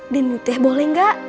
dinuteh boleh gak